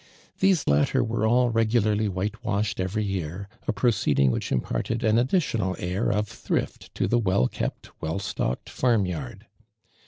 These latter were all regularly whitewashed every year, a pro ceeding which imparted an additional air of thrift to the wall Kept, well stocked farm yard.